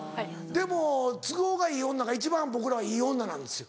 でも都合がいい女が一番僕らはいい女なんですよ